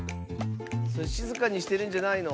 それしずかにしてるんじゃないの？